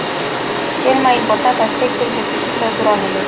Cel mai important aspect îl reprezintă dronele.